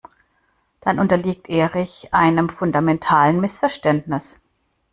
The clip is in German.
Dann unterliegt Erich einem fundamentalen Missverständnis.